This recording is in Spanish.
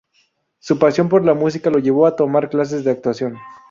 Su pasión por la música lo llevó a tomar clases de actuación.